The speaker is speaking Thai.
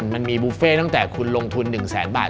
มันมีบุฟเฟ่ตั้งแต่คุณลงทุน๑แสนบาท